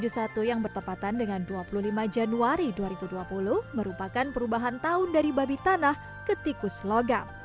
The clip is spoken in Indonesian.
tahun baru imlek dua ribu lima ratus tujuh puluh satu yang bertepatan dengan dua puluh lima januari dua ribu dua puluh merupakan perubahan tahun dari babi tanah ke tikus logam